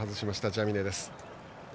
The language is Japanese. ジャミネです。